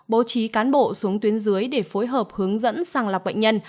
bố trí cán bộ xuống tuyến dưới để phối hợp hướng dẫn sàng lọc bệnh nhân